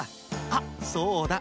あっそうだ！